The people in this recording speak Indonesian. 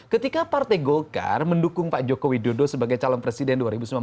ketika partai golkar mendukung pak jokowi dodo sebagai calon presiden dua ribu sembilan belas